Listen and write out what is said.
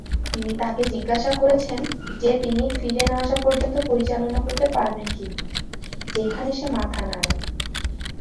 তিনি তাকে জিজ্ঞাসা করেছেন যে তিনি ফিরে না আসা পর্যন্ত পরিচালনা করতে পারবেন কিনা, যেখানে সে মাথা নাড়ায়।